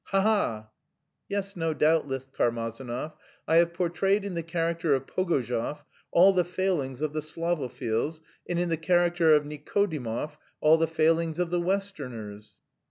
Ha ha!" "Yes, no doubt," lisped Karmazinov. "I have portrayed in the character of Pogozhev all the failings of the Slavophils and in the character of Nikodimov all the failings of the Westerners...."